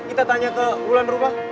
kita tanya ke wulan berubah